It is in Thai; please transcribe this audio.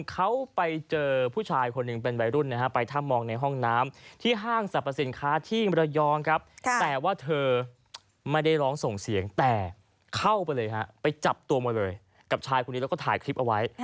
กับชายคุณนี้แล้วก็ถ่ายคลิปเอาไว้